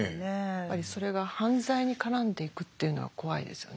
やっぱりそれが犯罪に絡んでいくというのが怖いですよね。